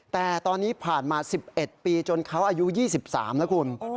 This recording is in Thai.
แต่ตอนนี้ผ่านมา๑๑ปีจนเขาอายุ๒๓แล้วคุณ